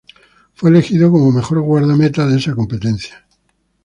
Fue elegido como mejor guardameta de esa competencia.